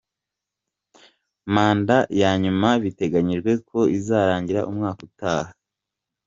Manda ya nyuma biteganyijwe ko izarangira umwaka utaha.